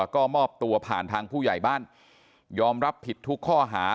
ก็มอบตัวผ่านทางผู้ใหญ่บ้านยอมรับผิดทุกข้อหา